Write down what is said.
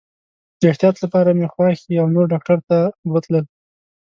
د احتیاط لپاره مې خواښي او نور ډاکټر ته بوتلل.